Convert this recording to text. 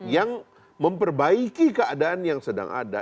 yang memperbaiki keadaan yang sedang ada